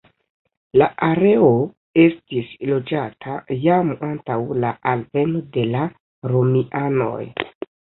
La areo estis loĝata jam antaŭ la alveno de la romianoj.